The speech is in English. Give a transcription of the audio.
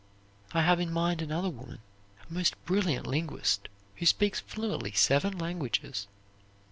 I have in mind another woman, a most brilliant linguist, who speaks fluently seven languages.